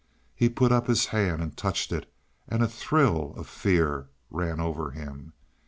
He put up his hand and touched it, and a thrill of fear ran over him.